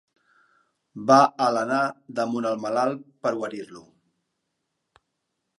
Va alenar damunt el malalt per guarir-lo.